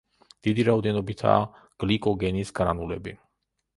დიდი რაოდენობითაა გლიკოგენის გრანულები.